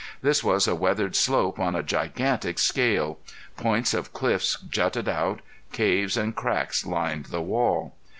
This was a weathered slope on a gigantic scale. Points of cliffs jutted out; caves and cracks lined the wall.